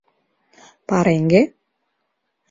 — Пареҥге?